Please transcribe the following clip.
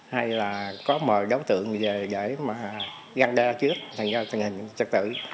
hay là có mời đối tượng về để mà găng đeo trước thành ra tình hình trật tự